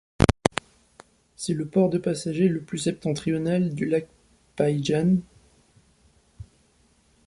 C'est le port de passagers le plus septentrional du Lac Päijänne.